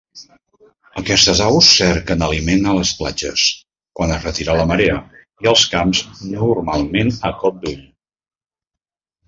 Aquestes aus cerquen aliment a les platges, quan es retira la marea i als camps, normalment a cop d'ull.